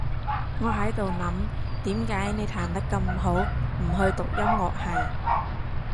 我喺度諗，點解你彈得咁好，唔去讀音樂系？